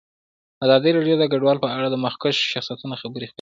ازادي راډیو د کډوال په اړه د مخکښو شخصیتونو خبرې خپرې کړي.